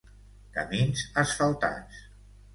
Camins asfaltats.